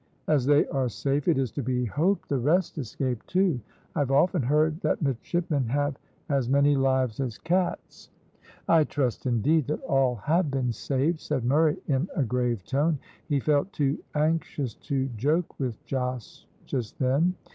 As they are safe, it is to be hoped the rest escaped, too. I've often heard that midshipmen have as many lives as cats." "I trust, indeed, that all have been saved," said Murray, in a grave tone. He felt too anxious to joke with Jos just then.